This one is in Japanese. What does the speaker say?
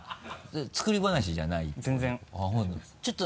作り話じゃないってこと？